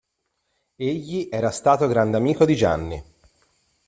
Egli era stato grande amico di Gianni.